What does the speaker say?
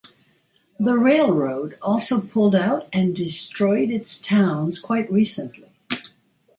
The railroad also pulled out and destroyed its towns quite recently.